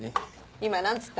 今何つった？